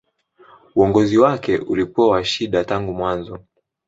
Uongozi wake ulikuwa wa shida tangu mwanzo.